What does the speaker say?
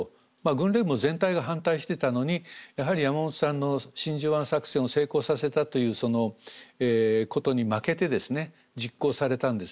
軍令部も全体が反対してたのにやはり山本さんの真珠湾作戦を成功させたということに負けてですね実行されたんですね。